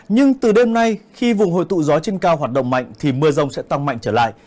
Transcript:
nhưng từ đêm nay khi vùng hội tụ gió trên cao hoạt động mạnh thì mưa rông sẽ tăng mạnh trở lại